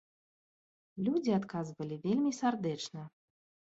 Людзі адказвалі вельмі сардэчна.